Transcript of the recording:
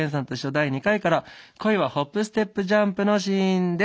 第２回から「恋はホップステップジャンプ」のシーンです。